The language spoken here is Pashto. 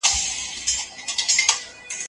دا یاداښت موږ ته د انسانیت درس راکوي.